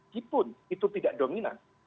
jepun itu tidak dominan